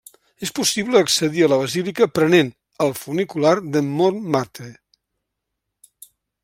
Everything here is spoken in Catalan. És possible accedir a la basílica prenent el funicular de Montmartre.